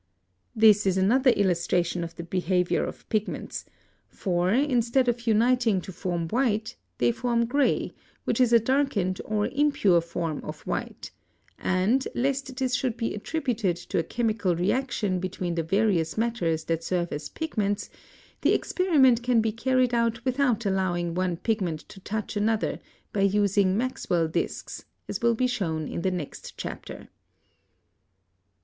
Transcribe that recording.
(93) This is another illustration of the behavior of pigments, for, instead of uniting to form white, they form gray, which is a darkened or impure form of white; and, lest this should be attributed to a chemical reaction between the various matters that serve as pigments, the experiment can be carried out without allowing one pigment to touch another by using Maxwell discs, as will be shown in the next chapter.